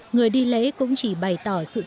người đi lễ cũng chỉ bày tỏ sự thay đổi